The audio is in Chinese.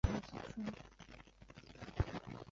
翁郭依等人归附土默特部。